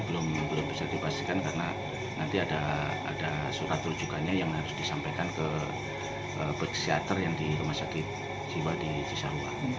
belum bisa dipastikan karena nanti ada surat rujukannya yang harus disampaikan ke psikiater yang di rumah sakit jiwa di cisarua